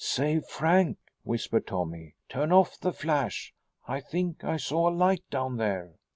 "Say, Frank," whispered Tommy, "turn off the flash. I think I saw a light down there."